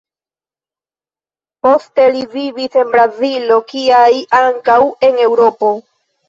Poste, li vivis en Brazilo kiaj ankaŭ en Eŭropo.